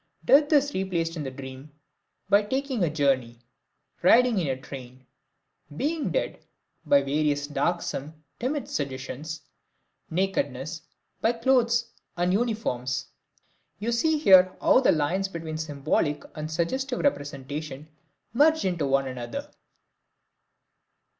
Death is replaced in the dream by taking a journey, riding in a train; being dead, by various darksome, timid suggestions; nakedness, by clothes and uniforms. You see here how the lines between symbolic and suggestive representation merge one into another.